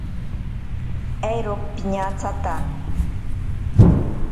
Eiro piñatsata.